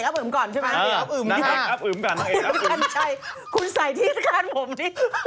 คุณใจคุณใส่ที่รการผมนี่